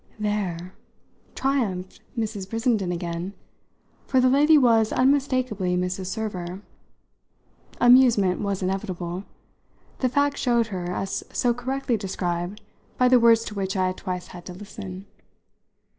"There!" triumphed Mrs. Brissenden again for the lady was unmistakably Mrs. Server. Amusement was inevitable the fact showed her as so correctly described by the words to which I had twice had to listen.